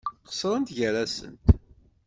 Qeṣṣrent gar-asent.